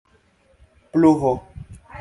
pluvo